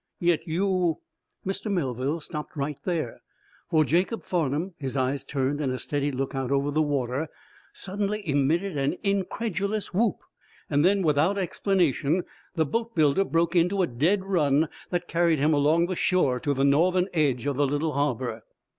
"Yet you " Mr. Melville stopped right there, for Jacob Farnum, his eyes turned in a steady look out over the water, suddenly emitted an incredulous whoop. Then, without explanation, the boatbuilder broke into a dead run that carried him along the shore to the northern edge of the little harbor.